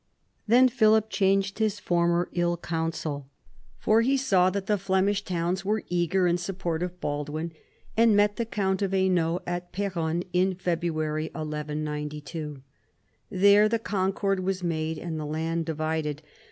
Then Philip changed his former ill counsel, for he saw that the Flemish towns were eager in support of Baldwin, and met the count of Hainault at Peronne in February 1192. There the concord was made and the land divided.